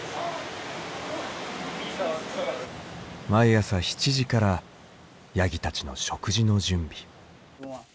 毎朝７時からヤギたちの食事の準備。